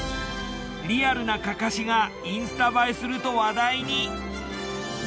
リアルな案山子がインスタ映えすると話題に。